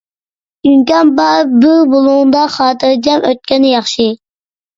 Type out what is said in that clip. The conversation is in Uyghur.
ئىمكان بار، بىر بۇلۇڭدا خاتىرجەم ئۆتكەن ياخشى.